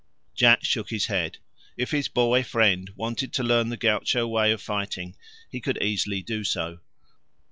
Jack shook his head. If his boy friend wanted to learn the gaucho way of fighting he could easily do so.